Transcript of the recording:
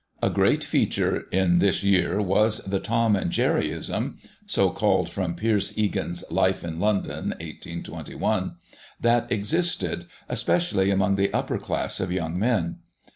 ' A great feature in this year was the " Tom and Jerryism " (so called from Pierce Egan's "Life in London," 1821) that existed, especially among the upper class of young men.